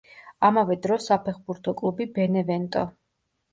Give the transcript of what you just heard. ამავე დროს საფეხბურთო კლუბი „ბენევენტო“.